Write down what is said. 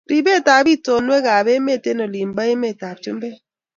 Ribet ab itonwekab emet eng olipa emet ab chumbek